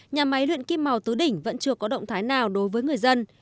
nhà máy luyện kim màu tứ đỉnh vẫn chưa có động thái nào đối với người dân